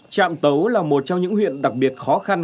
trạm tấu là một trong những huyện đặc biệt khó khăn